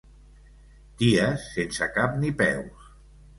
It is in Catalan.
Ties sense cap ni peus.